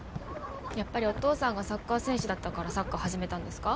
やっぱりお父さんがサッカー選手だったからサッカー始めたんですか？